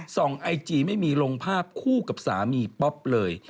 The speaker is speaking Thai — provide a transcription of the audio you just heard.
ไอจีไม่มีลงภาพคู่กับสามีป๊อปเลย